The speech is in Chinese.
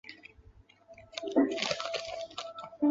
现今此楼为大连市民政局下属大连慈善总会的办公楼。